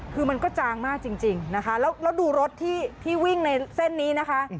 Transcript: คือมันก็จางมากจริงนะคะแล้วดูรถที่วิ่งในเส้นนี้นะคะ